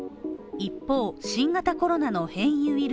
一方、新型コロナの変異ウイル